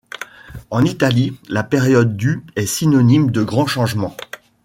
En Italie, la période du est synonyme de grand changement.